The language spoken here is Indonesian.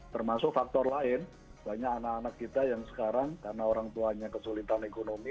termasuk faktor lain banyak anak anak kita yang sekarang karena orang tuanya kesulitan ekonomi